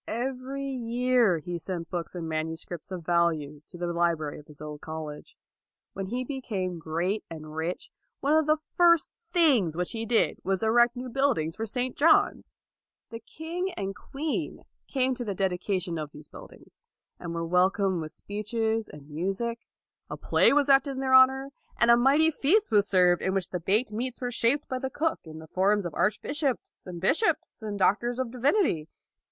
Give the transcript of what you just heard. Every year he sent books and manuscripts of value to the library of his old college. When he became great and rich, one of the first things which he did was to erect new buildings for St. John's. The king and queen came to the LAUD 219 dedication of these buildings, and were welcomed with speeches and music; a play was acted in their honor; and a mighty feast was served in which the baked meats were shaped by the cook into the forms of archbishops, and bishops, and doctors of divinity.